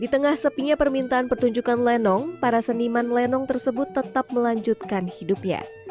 di tengah sepinya permintaan pertunjukan lenong para seniman lenong tersebut tetap melanjutkan hidupnya